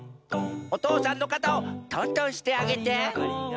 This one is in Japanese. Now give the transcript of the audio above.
おとうさんのかたをとんとんしてあげて。